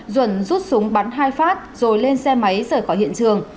duẩn rút súng bắn hai phát rồi lên xe máy rời khỏi hiện trường